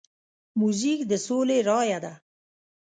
موزیک د سولې رایه ده.